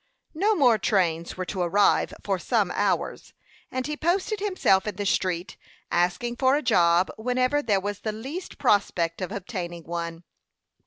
No more trains were to arrive for some hours, and he posted himself in the street, asking for a job whenever there was the least prospect of obtaining one.